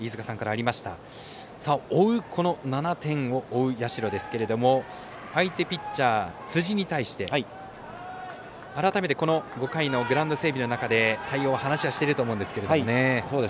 ７点を追う社ですけれども相手ピッチャー、辻に対して改めて、この５回のグラウンド整備の中で、対応は話していると思いますが。